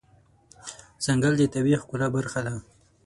ځنګل د طبیعي ښکلا برخه ده.